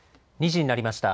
２時になりました。